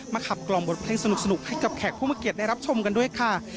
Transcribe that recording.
มาขับกล่อมบนเพลงสนุกที่ให้ให้ด้วยขักเพลงพูดมารับชนกันด้วยค่ะ